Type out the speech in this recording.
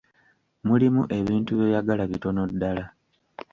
Mulimu ebintu by'oyagala bitono ddala.